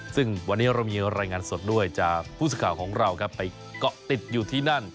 ซึ่งวันนี้เรามีรายงานสดด้วยจากผู้สื่อข่าวของเราไปเกาะติดอยู่ที่นั่น